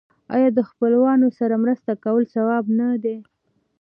آیا د خپلوانو سره مرسته کول ثواب نه دی؟